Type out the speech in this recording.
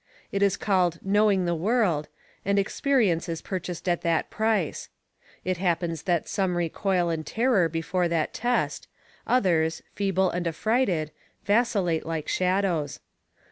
It is called knowing the world, and experience is purchased at that price. It happens that some recoil in terror before that test, others, feeble and affrighted, vacillate like shadows.